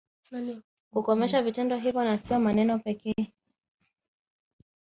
kukomesha vitendo hivyo na sio maneno pekee